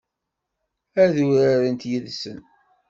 Ad urarent yid-sen?